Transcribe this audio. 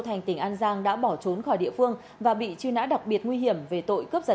thành tỉnh an giang đã bỏ trốn khỏi địa phương và bị truy nã đặc biệt nguy hiểm về tội cướp giật